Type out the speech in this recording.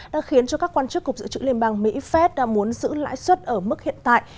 đang khiến cho các quan chức cục dự trữ liên bang mỹ phép đã muốn giữ lãi suất ở mức hiện tại